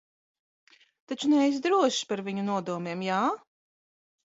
Taču neesi drošs par viņu nodomiem, jā?